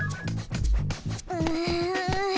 うん。